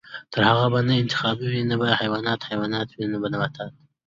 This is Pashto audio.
تر هغو به نه انتخابات وي، نه به حیوانات حیوانات وي او نه نباتات.